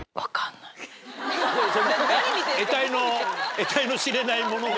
えたいの知れないものが？